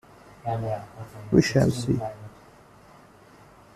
We shall see.